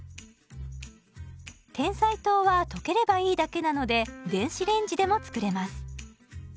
てんさい糖は溶ければいいだけなので電子レンジでも作れます。